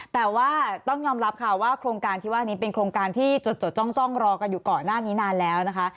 แต่ว่าต้องยอมรับค่ะว่าโครงการที่ว่านี้เป็นโครงการที่จดจ้องรอกันอยู่ก่อนหน้านี้นานแล้วนะคะ